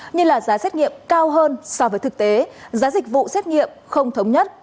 như là giá xét nghiệm cao hơn so với thực tế giá dịch vụ xét nghiệm không thống nhất